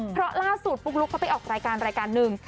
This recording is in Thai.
เพราะล่าสุดปุ๊กลุ๊กเขาไปออกรายการรายการหนึ่ง